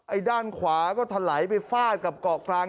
ด้านขวาก็ถลายไปฟาดกับเกาะกลาง